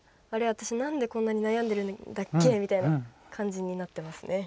私なんでこんなに悩んでいるんだっけって感じになってますね。